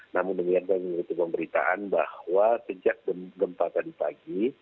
namun mengingatkan mengikut pemberitaan bahwa sejak gempa tadi pagi